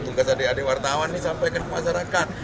tugas adik adik wartawan ini sampaikan ke masyarakat